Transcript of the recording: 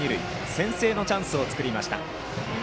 先制のチャンスを作りました。